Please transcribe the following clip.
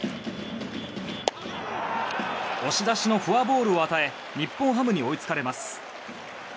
押し出しのフォアボールを与え日本ハムに追いつかれます。